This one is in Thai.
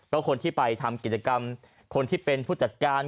ก็คนที่ไปทำกิจกรรมคนที่เป็นผู้จัดการ